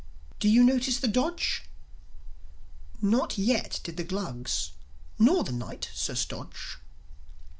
Do you notice the dodge? Not yet did the Glugs, nor the Knight, Sir Stodge.